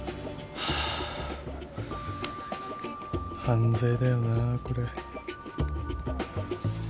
犯罪だよなこれ。